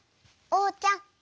おうちゃん。